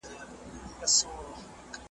زه کولای سم سپينکۍ پرېولم!.